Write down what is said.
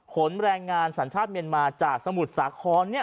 แรงงานสัญชาติเมียนมาจากสมุทรสาคร